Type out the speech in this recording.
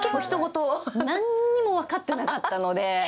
何も分かってなかったので。